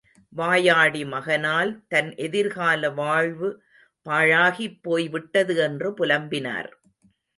வாயாடி மகனால் தன் எதிர்கால வாழ்வு பாழாகிப்போய்விட்டது என்று புலம்பினார்.